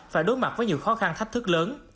phải đối mặt với nhiều khó khăn thách thức lớn